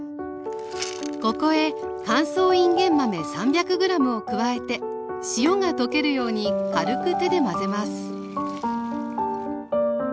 ここへ乾燥いんげん豆３００ｇを加えて塩が溶けるように軽く手で混ぜます